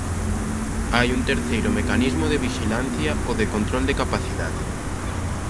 Hai un terceiro mecanismo de vixilancia: o de control de capacidade.